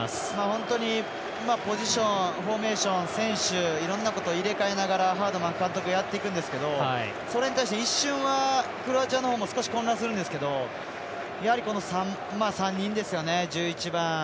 本当にポジションフォーメーション選手、いろんなことを入れ替えながらハードマン監督やっていくんですけどそれに対して一瞬はクロアチアのほうも少し混乱するんですけど３人ですよね